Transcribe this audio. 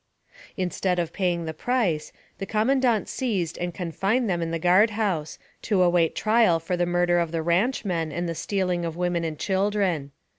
Instead of paying the price, the commandant seized and confined them in the guard house, to await trial for the murder of the ranche men and the stealing of women and children.